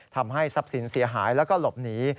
ทำให้ทรัพย์สินเสียหายแล้วก็หลบหนี